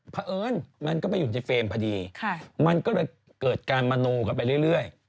เพราะเอิญมันก็ไปอยู่ในเฟรมพอดีมันก็เลยเกิดการมโนกันไปเรื่อย